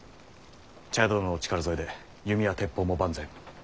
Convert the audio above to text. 茶屋殿のお力添えで弓や鉄砲も万全。